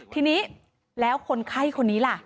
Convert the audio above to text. ทีนี้แล้วคนไข้คนนี้ล่ะ